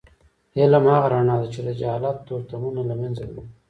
علم هغه رڼا ده چې د جهالت تورتمونه له منځه وړي.